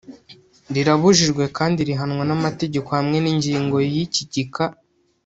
rirabujijwe kandi rihanwa n'amategeko hamwe n'ingingo ya y'iki gika